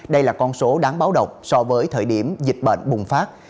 đây là con số đáng báo động so với thời điểm dịch bệnh bùng phát